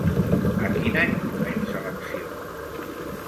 A quin any comença l'acció?